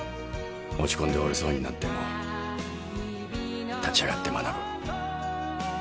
落ち込んで折れそうになっても立ち上がって学ぶ。